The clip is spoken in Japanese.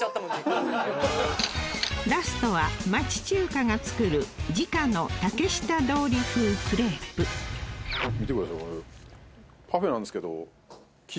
ラストは町中華が作る時価の竹下通り風クレープ見てくださいよ